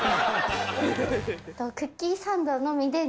クッキーサンドのみで。